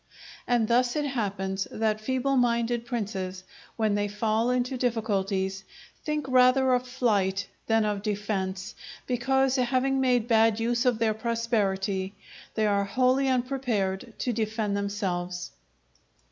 And thus it happens that feeble minded princes, when they fall into difficulties, think rather of flight than of defence, because, having made bad use of their prosperity, they are wholly unprepared to defend themselves.